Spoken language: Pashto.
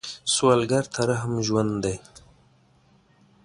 سوالګر ته رحم ژوند دی